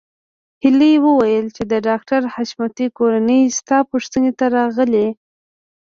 هيلې وویل چې د ډاکټر حشمتي کورنۍ ستا پوښتنې ته راغلې